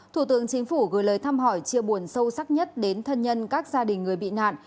thủ tướng chính phủ gửi lời thăm hỏi chia buồn sâu sắc nhất đến thân nhân các gia đình người bị nạn